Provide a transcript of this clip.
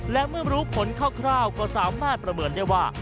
และเมื่อรู้ผลคร่าวก็สามารถประเมินได้ว่า